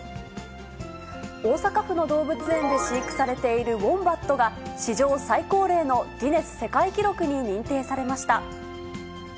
大阪府の動物園で飼育されているウォンバットが、史上最高齢のギネス世界記録に認定されました。